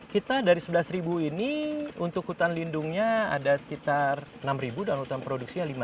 kita dari sebelas ini untuk hutan lindungnya ada sekitar enam dan hutan produksinya lima ratus